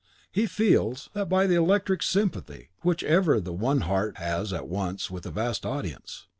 He feels THAT by the electric sympathy which ever the one heart has at once with a vast audience.